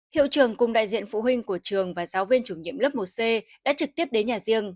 hiệu trường cùng đại diện phụ huynh của trường và giáo viên chủ nhiệm lớp một c đã trực tiếp đến nhà riêng